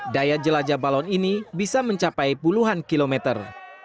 daya jelajah balon ini bisa mencapai puluhan kilometer